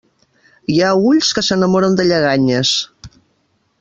Hi ha ulls que s'enamoren de lleganyes.